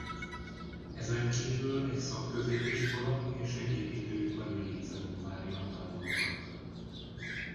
Ezenkívül egy szakközépiskola és egy építőipari líceum várja a tanulókat.